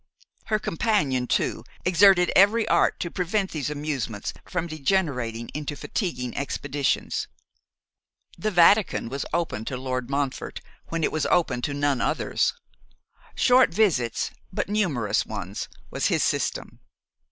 Her companion, too, exerted every art to prevent these amusements from degenerating into fatiguing expeditions. The Vatican was open to Lord Montfort when it was open to none others. Short visits, but numerous ones, was his system.